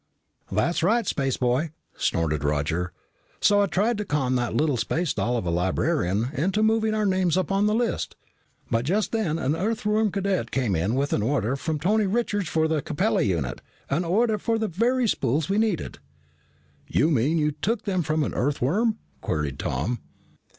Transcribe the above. "That's right, spaceboy!" snorted Roger. "So I tried to con that little space doll of a librarian into moving our names up on the list, but just then an Earthworm cadet came in with an order from Tony Richards of the Capella unit, an order for the very spools we needed." "You mean, you took them from an Earthworm?" queried Tom.